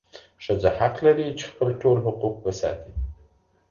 ښځه حق لري چې خپل ټول حقوق وساتي.